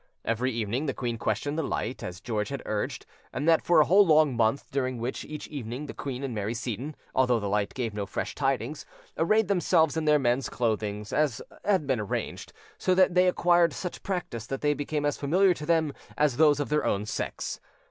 Every evening the queen questioned the light, as George had urged, and that for a whole long month, during which each evening the queen and Mary Seyton, although the light gave no fresh tidings, arrayed themselves in their men's clothes, as had been arranged, so that they both acquired such practice that they became as familiar to them as those of their own sex.